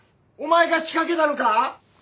お前が仕掛けたのか！？